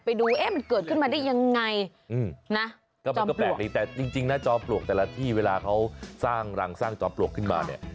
ไปดูเอ๊ะมันเกิดขึ้นมาได้ยังไงนะก็มันก็แปลกดีแต่จริงนะจอมปลวกแต่ละที่เวลาเขาสร้างรังสร้างจอมปลวกขึ้นมาเนี่ย